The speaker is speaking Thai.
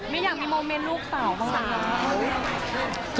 ไม่อยากมีโมเมนต์ลูกสาวบ้างนะ